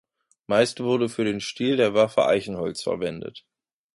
Meist wurde für den Stiel der Waffe Eichenholz verwendet.